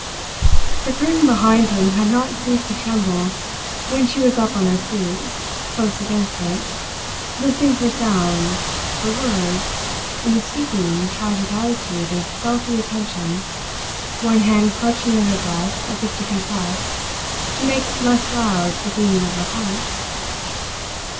The curtain behind him had not ceased to tremble when she was up on her feet, close against it, listening for sounds, for words, in a stooping, tragic attitude of stealthy attention, one hand clutching at her breast as if to compress, to make less loud the beating of her heart.